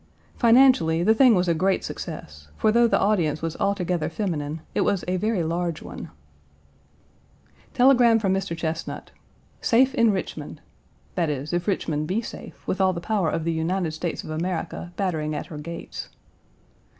Financially the thing was a great success, for though the audience was altogether feminine, it was a very large one. Page 194 Telegram from Mr. Chesnut, "Safe in Richmond"; that is, if Richmond be safe, with all the power of the United States of America battering at her gates.